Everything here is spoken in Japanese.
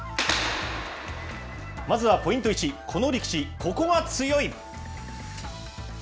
まずはポイント１、この力士、ここが強い！